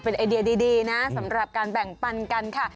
เป็นไอเดียดีนะสำหรับการแบ่งปันกันค่ะ